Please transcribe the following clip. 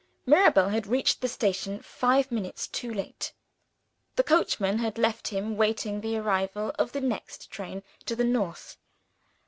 Mirabel had reached the station five minutes too late; the coachman had left him waiting the arrival of the next train to the North.